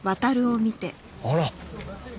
あら！